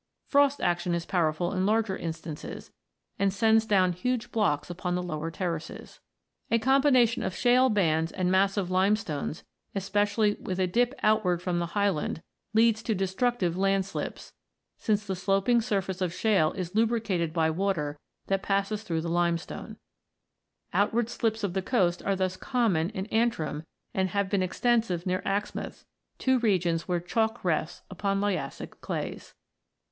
Frost action is powerful in larger instances, and sends down huge blocks upon the lower terraces. A combination of shale bands and massive limestones, especially with a dip out ward from the highland, leads to destructive land slips, since the sloping surface of shale is lubricated by water that passes through the limestone (see Fig. 9). Outward slips of the coast are thus common in Antrim, and have been extensive near Axmouth, two regions where chalk rests upon Liassic clays.